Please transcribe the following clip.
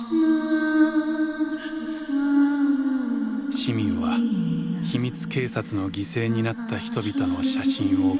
市民は秘密警察の犠牲になった人々の写真を掲げた。